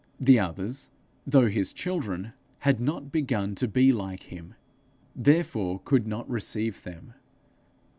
The others, though his children, had not begun to be like him, therefore could not receive them.